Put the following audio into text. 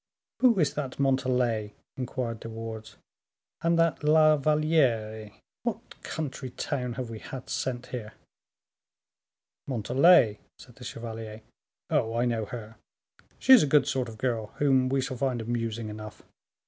"Who is that Montalais?" inquired De Wardes, "and that La Valliere? What country town have we had sent here?" "Montalais?" said the chevalier, "oh, I know her; she is a good sort of girl, whom we shall find amusing enough.